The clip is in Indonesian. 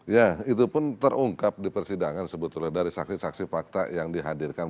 ya itu pun terungkap di persidangan sebetulnya dari saksi saksi fakta yang dihadirkan